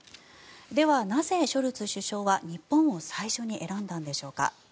では、なぜショルツ首相は日本を最初に選んだんでしょうか。